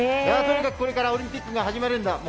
とにかくこれからオリンピックが始まるんだ。